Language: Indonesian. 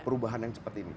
perubahan yang cepat ini